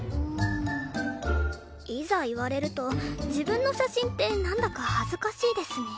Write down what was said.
いざ言われると自分の写真ってなんだか恥ずかしいですね。